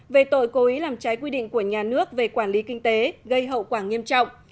về tội cố ý làm trái quy định của nhà nước về quản lý kinh tế gây hậu quả nghiêm trọng